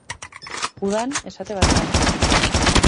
Udan, esate baterako.